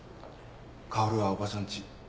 薫はおばちゃんち。